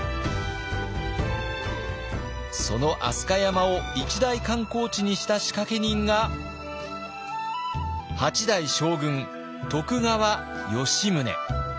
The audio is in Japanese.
その飛鳥山を一大観光地にした仕掛け人が８代将軍徳川吉宗。